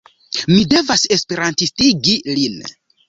Mi devas esperantistigi lin.